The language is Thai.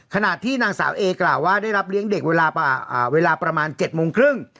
ขนาดที่นางสาวเอกล่าวว่าได้รับเลี้ยงเด็กเวลาอ่าเวลาประมาณเจ็ดโมงครึ่ง